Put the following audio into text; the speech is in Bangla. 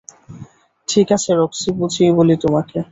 ঠিক আছে, রক্সি, বুঝিয়ে বলি তোমাকে।